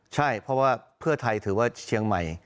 ใช่เพราะว่าเพื่อไทยถือว่าเชียงใหม่